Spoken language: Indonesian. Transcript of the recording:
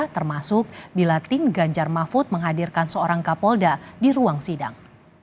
termasuk bila tim ganjar mahfud menghadirkan seorang kapolda di ruang sidang